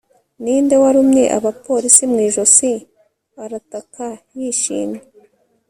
ninde warumye abapolisi mu ijosi arataka yishimiye